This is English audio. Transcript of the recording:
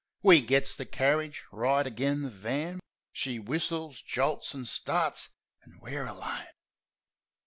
We gets the carridge right agen the van. She whistles, jolts, an' starts ... An' we're alone!